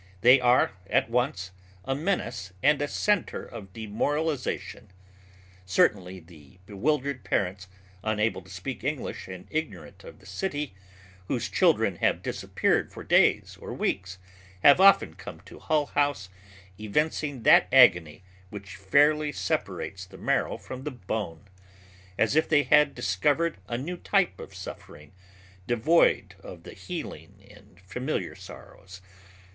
They are at once a menace and a center of demoralization. Certainly the bewildered parents, unable to speak English and ignorant of the city, whose children have disappeared for days or weeks, have often come to Hull House, evincing that agony which fairly separates the marrow from the bone, as if they had discovered a new type of suffering, devoid of the healing in familiar sorrows.